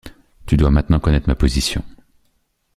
Tu dois maintenant connaître ma position.